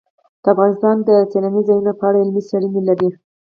افغانستان د سیلاني ځایونو په اړه علمي څېړنې لري.